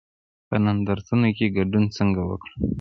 په نندارتونونو کې ګډون څنګه وکړم؟